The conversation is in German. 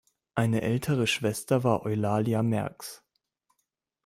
Eine ältere Schwester war Eulalia Merx.